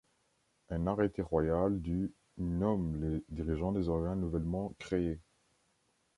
Un arrêté royal du nomme les dirigeants des organes nouvellement créés.